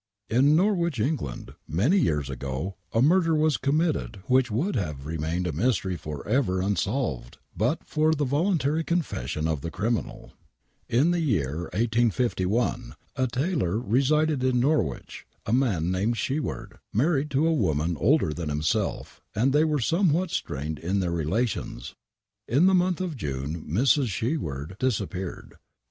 Ir l^orwich, England, many years ago a murder was com mitted which would have remained a mystery for ever unsolved but for the voluntary confession of the criminal. In the vear 1851 a tailor resided in ISTorwich, a man named WAINWRIGHT MURDER 17 Sheward, married to a woman older than himself, and they were somev/hat strained in their relations. In the month of June Mrs. Sheward disappeared.